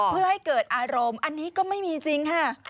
เพื่อให้เกิดอารมณ์อันนี้ก็ไม่มีจริงค่ะ